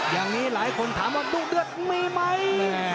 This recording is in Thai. อย่างนี้หลายคนถามว่าดุเดือดมีไหม